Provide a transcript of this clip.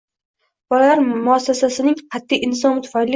Bolalar muassa-sasining qat’iy intizomi tufayli